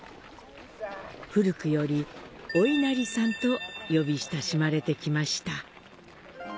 古くより「お稲荷さん」と呼び親しまれてきました。